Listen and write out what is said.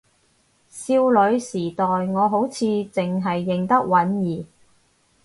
少女時代我好似淨係認得允兒